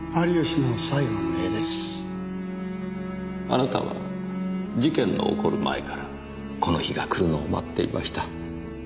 あなたは事件の起こる前からこの日が来るのを待っていました。